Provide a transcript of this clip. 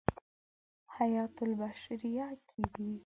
حیاة البشریة کې دی.